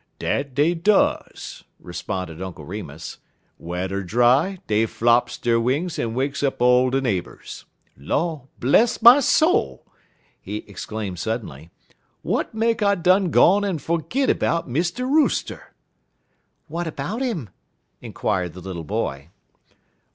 "Dat dey duz," responded Uncle Remus. "Wet er dry, dey flops der wings en wakes up all de neighbors. Law, bless my soul!" he exclaimed suddenly, "w'at make I done gone en fergit 'bout Mr. Rooster?" "What about him?" inquired the little boy.